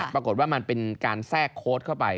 ปรากฏว่ามันเป็นการแทรกโค้ดเข้าไป